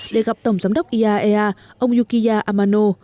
để gặp tổng giám đốc iaea ông yukio amano